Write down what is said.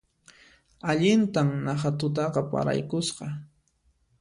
Allintan naqha tutaqa paraykusqa